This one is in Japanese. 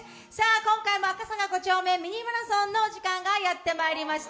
今回も赤坂５丁目ミニマラソンの時間がやってまいりました。